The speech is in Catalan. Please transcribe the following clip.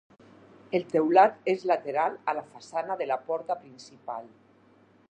El teulat és lateral a la façana de la porta principal.